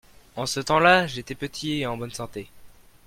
en ce temps-là j'étais petit et en bonne santé.